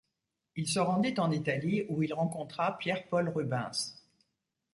Il se rendit en Italie où il rencontra Pierre Paul Rubens.